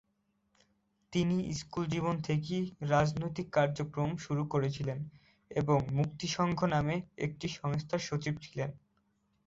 তিনি স্কুল জীবন থেকেই রাজনৈতিক কার্যক্রম শুরু করেছিলেন এবং "মুক্তি সংঘ" নামে একটি সংস্থার সচিব ছিলেন।